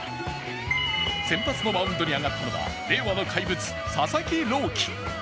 先発のマウンドに上がったのは令和の怪物、佐々木朗希。